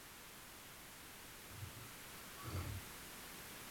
ژورې سرچینې د افغانستان په ستراتیژیک اهمیت کې پوره رول لري.